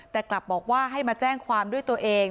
แต่กลับบอกว่าให้มาแจ้งความด้วยตัวเอง